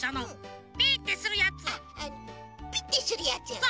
ピッてするやつよね。